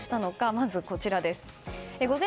まず、こちらです。